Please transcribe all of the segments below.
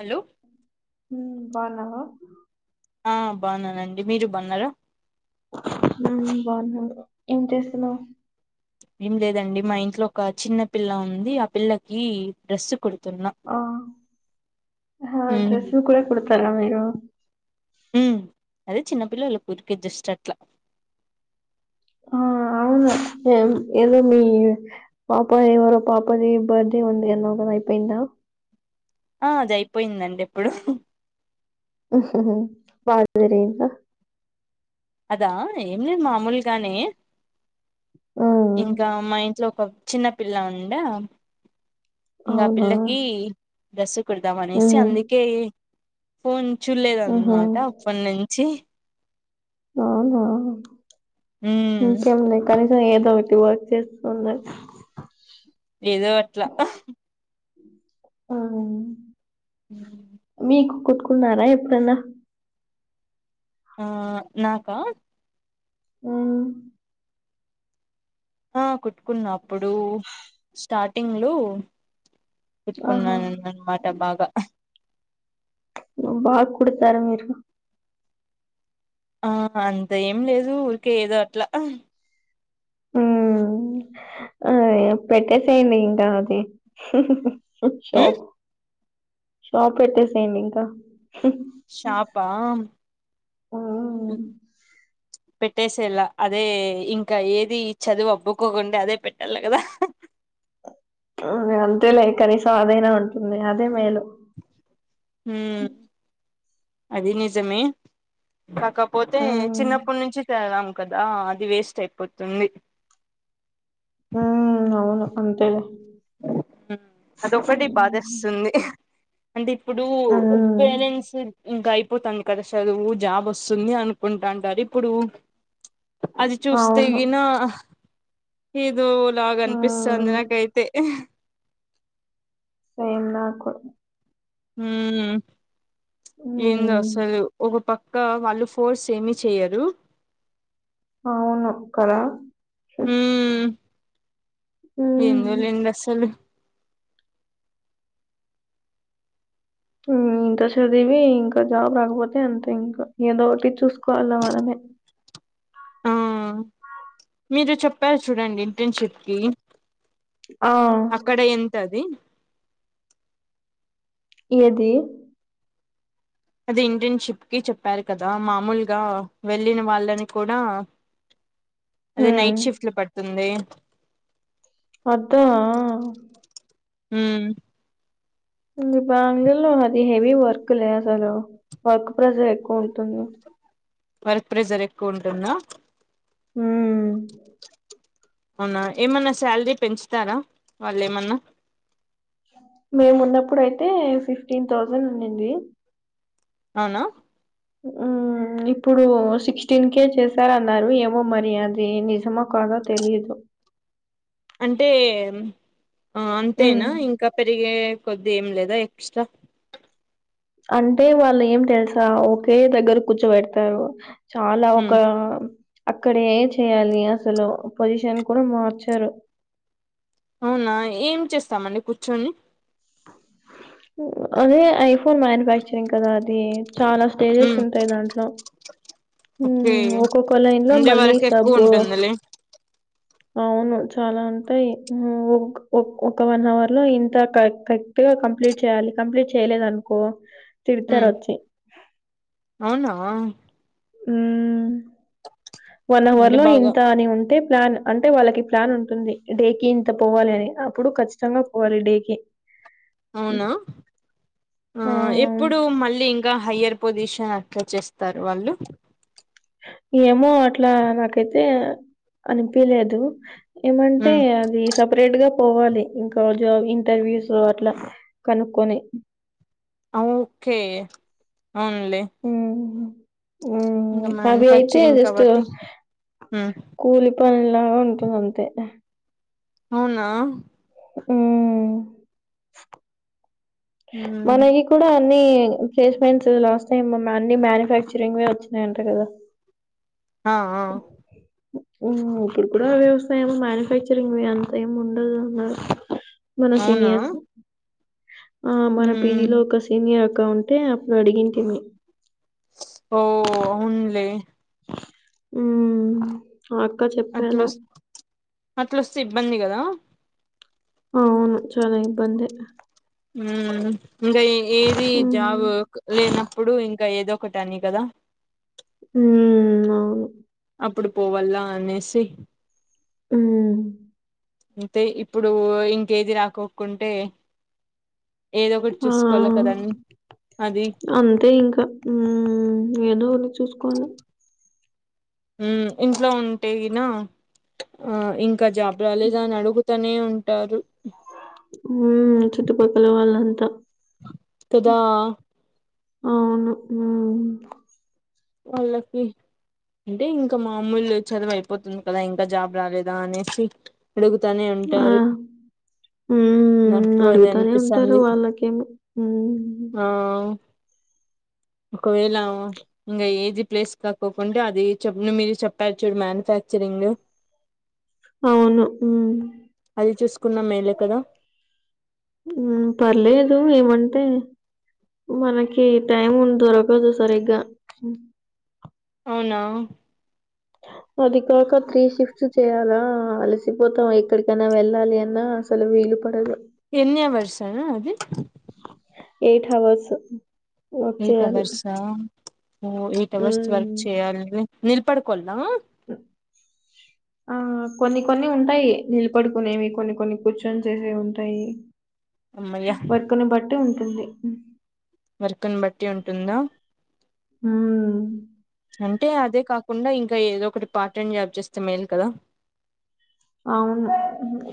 Hello హు బావున్నావా ఆ బావున్నానండి మీరు బాన్నారా ఉ బాగున్నా ఏం చేస్తున్నావు ఏం లేదండి, మా ఇంట్లో ఒక చిన్న పిల్ల ఉంది. ఆ పిల్లకి డ్రెస్సు కుడు. ఆ హ ఉమ్ డ్రెస్సులు కూడా కుడతారా మీరు ఉ అదే చిన్నపిల్లలకు ఊరికే జస్ట్ అట్లా ఆ అవునా ఏ ఏది మీ పాప ఎవరో పాపది బర్త్డే ఉంది, అన్నావు కదా అయిపోయిందా? ఆ అది అయిపోయిందండి ఎప్పుడు బాగా జరిగింద అదా ఏం లేదు మామూలుగానే ఆ ఇంకా మా ఇంట్లో ఒక చిన్నపిల్ల ఉండ ఇంగా అవునా పిల్లకి డ్రెస్ కుడదామనేసి ఉమ్ అందికే ఫోన్ చూల్లేదు ఉహు అన్మాట ఇప్పన్నుంచి అవునా [inaudible] ఇంకేం లే కనీసం ఏదో ఒకటి వర్క్ చేస్తూన్నావ్ ఏదో అట్లా ఆ ఉ మీకు కుట్టుకున్నారా ఎప్పుడన్నా ఆ నాకా ఊ ఆ కుట్టుకున్న అప్పుడు స్టార్టింగ్ లో ఆహా కుట్టుకున్నానన్నమాట బాగా ఉ బాగా కుడతార మీరు ఆ అంత ఏం లేదు ఊరికే ఏదో అట్లా ఉ పెట్టేసేయండి ఇంకా అది షాప్ షాప్పెట్టేసేయండి ఇంకా షాప్పా హ్మ్. పెట్టేసేలా, అదే ఇంకా ఏది చదువు అబ్బకోకుండా అదే పెట్టల్ల కదా! అంతే లే కనీసం అదైనా ఉంటుంది అదే మేలు హు అది నిజమే కాకపోతే హ్మ్. చిన్నప్పుడు నుంచి చదవం కదా అది వేస్ట్ అయిపోతుంది ఉ అవును అంతేలె ఉ అదొక్కటి బాధేస్తుంది అంటే ఇప్పుడు హ్మ్. పేరెంట్స్ ఇంకా అయిపోతాంది, కదా సదువు జాబ్ వస్తుంది అనుకుంటాంటారు ఇప్పుడు! అది చూస్తే అవును. గిన ఏదో లాగా అనిపిస్సాంది, హ్మ్. నాకైతే సేమ్ నాకూ ఊమ్ ఏందో హ్మ్. అసలు ఒక పక్క వాళ్లు ఫోర్స్ ఏమి చెయ్యరు అవును కదా? ఊమ్ ఏందో హ్మ్. లేండి అసలు ఇంత చదివి ఇంకా జాబ్ రాకపోతే అంతే ఇంకా ఏదో ఒకటి చూసుకోవల్ల మనమే ఆ మీరు చెప్పారు చూడండి ఇంటర్న్షిప్ కి ఆ అక్కడ ఎంత అది? ఏది? అది ఇంటర్న్షిప్ కి చెప్పారు కదా మామూలుగా వెళ్ళిన వాళ్ళని కూడా అదే హ్మ్. నైట్ షిఫ్ట్ లో పడుతుంది అద్దా ఉమ్ బాంగ్ళూర్ లో అది హెవీ వర్క్ లే అసలు వర్క్ ప్రైజర్ ఎక్కువ ఉంటుంది వర్క్ ప్రెజర్ ఎక్కువ ఉంటుందా? ఊమ్ అవునా ఏమన్నా శాల్రీ పెంచుతారా వాళ్ళు ఏమన్నా? మేమున్నప్పుడు అయితే ఫిఫ్టీన్ థౌజండ్ ఉనింది అవునా? ఉమ్ ఉమ్ ఇప్పుడు సిక్స్టీన్ కే చేశారన్నారు ఏమో మరి అది నిజమో కాదో తెలీదు అంటే మ్ అంతేనా హ్మ్. ఇంకా పెరిగే కొద్ది ఏం లేదా ఎక్స్ట్రా అంటే వాళ్ళు ఏం తెల్సా ఒకే దగ్గర కూర్చోపెడతారు చాలా ఒక ఉమ్ అక్కడ ఏ చెయ్యాలి అసలు పొజిషన్ కూడా మార్చరు అవునా ఏం చేస్తామండి కూర్చొని అదే ఐఫోన్ మ్యానుఫ్యాక్చరింగ్ కదా అది చాలా స్టేజెస్ ఉమ్ ఉంటాయ్ దాంట్లో ఓకే ఉమ్ ఒక్కొక్క లైన్ లో ఉండే మళ్ళీ వరకు సబ్ ఎక్కువ ఉంటుందిలే అవును చాలా ఉంటాయ్ నువ్వు ఒక్ ఒక వన్ అవర్ లో ఇంత క ఎగా కంప్లీట్ చెయ్యాలి కంప్లీట్ చెయ్యలేదనుకో తిడతారు ఉమ్ వచ్చి అవునా? ఉమ్ వన్ అవర్ అంటే లో బాగా ఇంత అని ఉంటే ప్లాన్ అంటే వాళ్ళకి ప్లాన్ ఉంటుంది డే కి ఇంత పోవాలి అని అప్పుడు ఖచ్చితంగా పోవాలి డేకి హ్మ్. అవునా ఆ ఆహ్, ఎప్పుడు మళ్ళీ ఇం కా హయ్యర్ పొజిషన్ అట్ల చేస్తారు వాళ్ళు ఏమో అట్లా నాకైతే అనిపీలేదు ఏమంటే ఉమ్ అది సపరేట్ గా పోవాలి ఇంకా జో ఇంటర్వ్యూస్ అట్లా కనుక్కొని ఔ ఓక్కే అవున్లే ఉమ్ అవి అయితే మ్యానుఫ్యాక్చరింగ్ జస్ట్ కాబట్టి ఉమ్ కూల్ పనిలాగా ఉంటుంది అంతే అవునా ఉమ్ ఉమ్ మనయి కూడా అన్ని ప్లేస్మెంట్స్ లాస్ట్ టైమ్ అన్ని మ్యానుఫ్యాక్చరింగ్వే వచ్చినాయంట కదా ఆఆ ఆ‌ ఇప్పుడు కూడా అవే వస్తాయేమో మ్యానుఫ్యాక్చరింగ్‌వి అంత ఏం ఉండదు అన్నారు మన అవునా సీనియర్స్ ఆ మన ఉమ్ పీజీలో ఒక సీనియర్ అక్క ఉంటే అప్పుడు అడిగింటిమి ఓ అవున్లే ఉమ్మ్ ఆ అక్క చె అట్లొస్ అట్లొస్తే ఇబ్బంది కదా అవును చాలా ఇబ్బంది ఉమ్మ్ ఇంగా ఏది హ్మ్ జాబ్ లేనప్పుడు ఇంకా ఏదో ఒకటి అని కదా ఉమ్మ్ ఉమ్మ్ అవును అప్పుడు పోవాల అనేసి ఉమ్మ్ అంతే ఇప్పుడు ఇంకేది రాకొకుంటే ఏదో ఒకటి ఆ చూసుకోవాల కదం అది అంతే ఇంకా ఉమ్మ్ ఏదో ఓని చూసుకోవాల ఉమ్మ్ ఇంట్లో ఉంటే గినా ఆ ఇంకా జాబ్ రాలేదా అని అడుగు తానే ఉంటారు ఉమ్మ్ చుట్టుపక్కల వాళ్ళంతా కదా అవును ఉమ్మ్ వాళ్లకి అంటే ఇంకా మామూలు చదువు అయిపోతుంది కదా ఇంకా జాబ్ రాలేదా అనేసి అడుగుతానే ఉంటారు ఉమ్మ్ నాకు అది అడుగుతానే ఉంటారు అనిపిస్తుంది వాళ్ళకేమి ఉమ్మ్ ఆ ఒకవేళ ఇంగ ఏది ప్లేస్ కాకోకుంటే అది చెప్న మీరు చెప్పారు చూడు మ్యానుఫ్యాక్చరింగ్ అవును ఉమ్మ్ అది చూసుకున్నా మేలే కదా ఉమ్మ్ పర్లేదు ఏమంటే మనకి టైం ఉం దొరకదు సరిగ్గా హ్మ్. అవునా అది కాక త్రీ షిఫ్ట్స్ చేయాలా అలసిపోతాం ఎక్కడికైనా వెళ్ళాలి అన్నా అసలు వీలుపడదు ఎన్ని అవర్సా అది ఎయిట్ అవర్సు ఎయిట్ అవర్సా ఓ ఎయిట్ అవర్స్ వర్క్ హ్మ్. చేయ్యాలి నిలబడుకోల్నా ఆ కొన్ని కొన్ని ఉంటాయి నిలబడుకునేవి కొన్ని కొన్ని కూర్చొని చేసేవి ఉంటాయి అమ్మయ్య వర్క్‌ని బట్టి ఉంటుంది వర్క్ను బట్టి ఉంటుందా హ్మ్. అంటే అదే కాకుండా ఇంకా ఏదో ఒకటి పార్ట్ టైం జాబ్ చేస్తే మేలు కదా అవును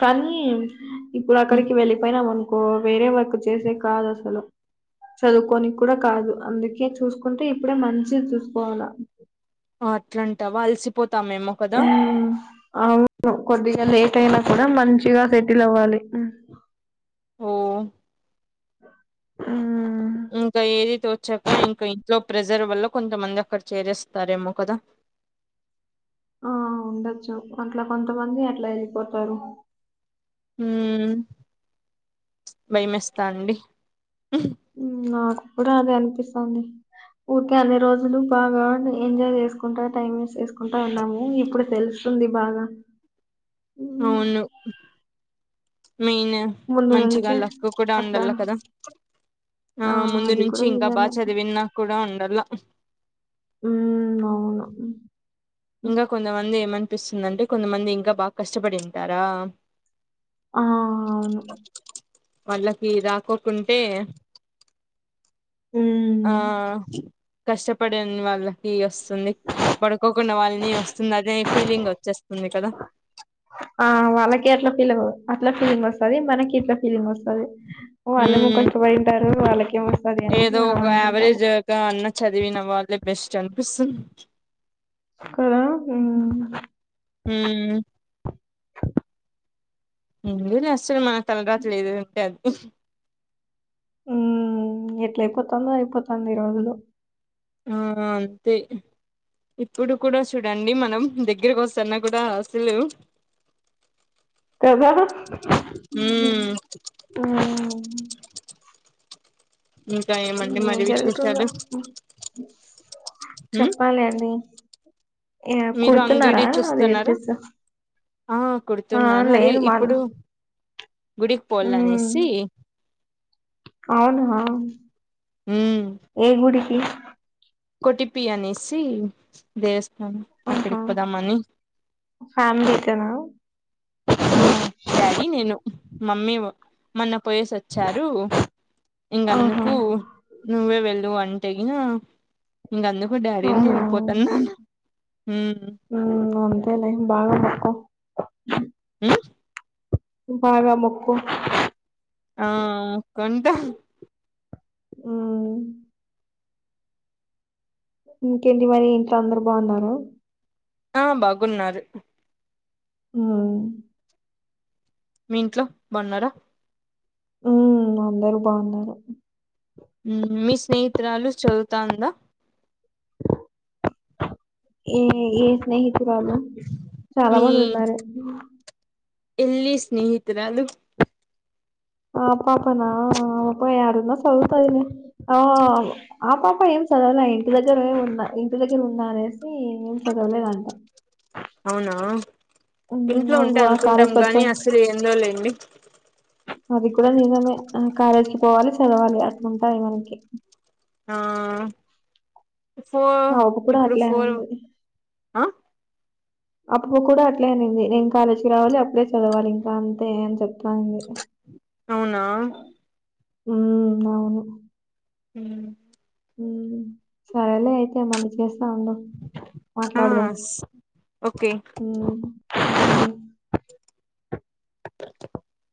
కానీ ఇప్పుడు ఉమ్, అక్కడికి వెళ్ళిపోయినామనుకొ వేరే వర్క్ చేసేకి కాదు అసలు చదువుకొనే కి కూడా కాదు అందుకే చూసుకుంటే ఇప్పుడే మంచిది చూసుకోవాల అట్లంటావా అలసిపోతామేమో కదా కొద్దిగ లేట్ అయినా కూడా మంచిగా సెటిల్ అవ్వాలి ఓ ఆ ఇంక ఏది తోచక ఇంక ఇంట్లో ప్రెజర్ వల్ల కొంతమంది అక్కడ చేరేస్తారేమో కదా ఆ ఉండొచ్చు అట్లా కొంతమంది అట్లా వెళ్ళిపోతారు ఉ భయమేస్తా అండి నాకు కూడా అదే అనిపిస్తాంది ఊరికే అన్ని రోజులు బాగా ఎంజాయ్ చేసుకుంటా టైం వేస్ట్ చేసుకుంటా ఉన్నాము ఇప్పుడు తెలుస్తుంది స్తుంది బాద అవును మెయిన్ ముందు మంచిగా నుంచే లక్కు కూడా అట్లా ఉండాల కదా ఆ ముందు అది నుంచి కూడా ఇంకా నిజమే బాగా చదివిన కూడా ఉండాల ఉ అవును ఇంకా కొంతమంది ఏమనిపిస్తుందంటే కొంతమంది ఇంకా బాగా కష్టపడింటారా ఆ అవును వాళ్ళకి రాకోకుంటే హ్మ్ ఆ కష్టపడిన వాళ్ళకి వస్తుంది పడుకో న్న వాళ్ళని వస్తుంది అదే ఫీలింగ్ వచ్చేస్తుంది కదా ఆ వాళ్ళకె అట్లా ఫీల్ అవ అట్లా ఫీలింగ్ వస్తాది మనకి ఇట్లా ఫీలింగ్ వస్తాది వాళ్ళేమో ఉమ్ కష్టపడింటారు వాళ్ళకేం వస్తాది అనేసి ఏదో మనం ఒక అనుకుంటాము యావరేజ్గా అన్న చదివిన వాళ్ళే బెస్ట్ అనిపిస్తుంది కదా ఉ హమ్ [unintelligible] మా తలరాత లో ఏదుంటే అది ఉ ఎట్ల అయిపోతాందో అయిపోతాంది రోజులు ఆ అంతే ఇప్పుడు కూడా చూడండి మనం దగ్గరకి వస్తున్న కూడా అసలు ప్రసాదు హమ్మ్ హ ఇంకా ఏమండి ఏం మరి జరుగుతుందో విశేషాలు మ్మ్ చెప్పాలి అండి మీరు అంగిడి కుడుతున్నారా అది చూస్తున్నారా డ్రెస్ ఆ ఆ కుడుతున్నాను అదే లేదు మా ఇప్పుడు గుడికి పోవాల ఉమ్ అనేసి అవునా మ్మ్ ఏ గుడికి కొటిపి అనేసి దేవస్థానం అక్కడికి పోదామని ఫ్యామిలీ తోనా ఆ డాడీ నేను మమ్మీ మొన్న పోయేసి వచ్చారు ఆహా ఇంకందుకు నువ్వే వెళ్ళు అంటే ఇగ ఇంక అందుకు డాడిని అవునా నేను పోతాన్నాను అన్న హ అంతేలే బాగ మెక్కు ఉ బాగా మొక్కు ఆ కొంత ఉమ్ ఇంకేంటి మరి ఇంట్లో అందరు బాగున్నార ఆ బాగున్నారు హా మీ ఇంట్లో బగున్నారా ఉ అందరు బాగున్నారు ఉ మీ స్నేహితురాలు చదువుతా ఉందా ఏ ఏ స్నేహితురాలు చాలా మంది ఉన్నారు ఇల్లి స్నేహితురాలు ఆ పాపనా ఆ పా యాడున్న సదువుతాదిలే ఆ ఆ పాప ఏం చదవల ఇంటి దగ్గరే ఉందా ఇంటి దగ్గర ఉందా అనేసి ఏం చదవలేదు అంట అవునా ఉమ్ ఇంట్లో ఉంటే అవ్వ కాలేజ్ అనుకుంటాం కి వచ్చా గాని అస్సలు ఏందొ లే అండి అది కూడ నిజమే కాలేజ్ కి పోవాలి చదవాలి అట్ల ఉంటాయి మనకి ఆ ఫోర్ మా అవ్వ కూడా ఇప్పుడు అట్లే ఫోర్ అనింది అ అప్పు కూడా అట్లే అనింది నేను కాలేజీకి రావాలి అప్పుడే చదవాలి ఇంకా అంతే అని చెప్ ఇట్లా అంది అవునా ఉమ్ అవును ఉమ్ ఉమ్ సరేలే అయితే మళ్ళి చేస్తా ఉండు ఆ మాట్లాడదాం ఓకే ఉమ్ [inaudible]